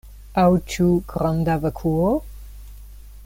Aŭ ĉu granda vakuo?